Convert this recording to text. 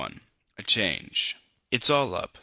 XXI. A CHANGE "It's all up.